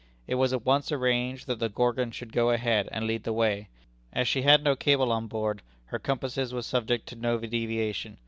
It was at once arranged that the Gorgon should go ahead and lead the way. As she had no cable on board, her compasses were subject to no deviation.